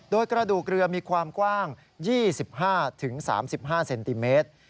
โดยกระดูกเรือมีความกว้าง๒๕๓๕เซนติเมตร